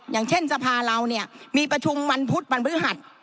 อย่างเช่นสภาเราเนี่ยมีประชุมวันพุธวันพฤหัส